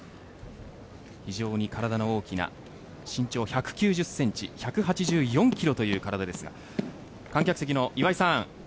非常に体の大きな身長１９０ｃｍ１８４ｋｇという体ですが観客席の岩井さん。